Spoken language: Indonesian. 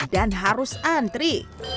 dan harus antri